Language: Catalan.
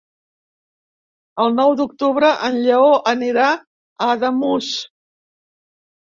El nou d'octubre en Lleó anirà a Ademús.